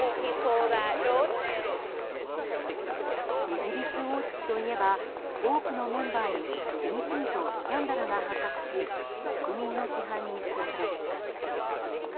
イギリス王室といえば多くのメンバーに次々とスキャンダルが発生し国民の批判にさらされてきました。